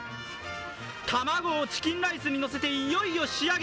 卵をチキンライスにのせていよいよ仕上げ。